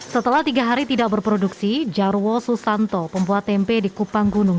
setelah tiga hari tidak berproduksi jarwo susanto pembuat tempe di kupang gunung